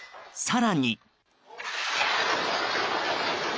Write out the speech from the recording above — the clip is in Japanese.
更に。